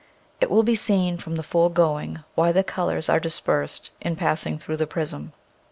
It will be seen from the foregoing why the colors are dispersed in passing through the prism.